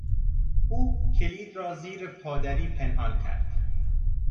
او کلید را زیر پادری پنهان کرد.